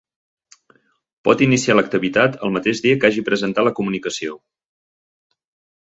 Pot iniciar l'activitat el mateix dia que hagi presentat la comunicació.